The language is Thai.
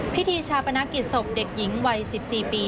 พิธีชาปนกิจศพเด็กหญิงวัย๑๔ปี